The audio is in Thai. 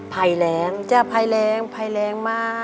ไภแรงมาก